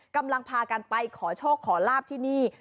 กำลังพากันไปขอโชคขอลาบที่นี่